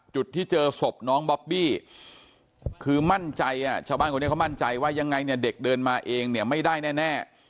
จุดที่เจอศพน้องบอบบี้คือมั่นใจชาวบ้านคนนี้เขามั่นใจว่ายังไงเนี่ยเด็กเดินมาเองเนี่ยไม่ได้แน่